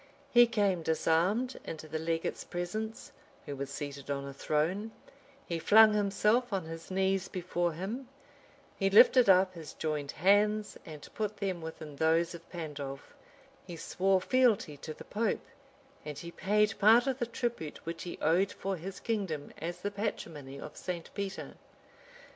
He came disarmed into the legate's presence, who was seated on a throne; he flung himself on his knees before him; he lifted up his joined hands, and put them within those of Pandolf; he swore fealty to the pope; and he paid part of the tribute which he owed for his kingdom as the patrimony of St. Peter.